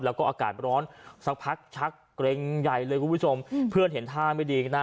แล้วก็อากาศร้อนสักพักชักเกร็งใหญ่เลยคุณผู้ชมเพื่อนเห็นท่าไม่ดีนะ